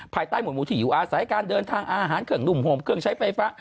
ภายใต้หมู่ที่อยู่อาศัยการเดินทางอาหารเครื่องหนุ่มโหมเครื่องใช้ไฟฟ้า